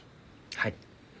はい。